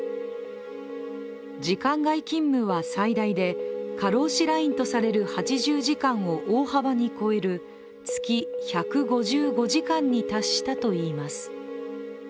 時間外勤務は最大で過労死ラインとされる８０時間を大幅に超える月１５５時間に達したといいます。